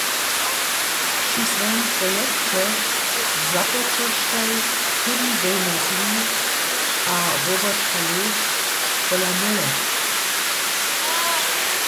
Při swojim projekće njezapočeštaj Tim Berners-Lee a Robert Cailliau pola nule.